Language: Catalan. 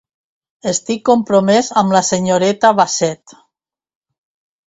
Estic compromès amb la senyoreta Bassett.